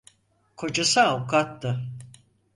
Kocası avukattı.